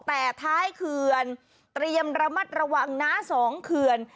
แต่ท้ายเขื่อนเตรียมระมัดระวังนะ๒เขื่อน